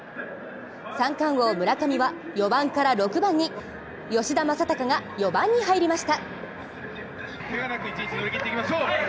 三冠王・村上は４番から６番に、吉田正尚が４番に入りました。